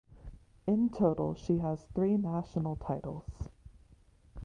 In total she has three national titles.